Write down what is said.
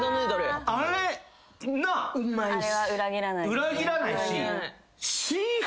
裏切らないし。